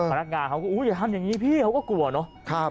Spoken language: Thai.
พนักงานเขาก็อุ้ยอย่าทำอย่างนี้พี่เขาก็กลัวเนอะ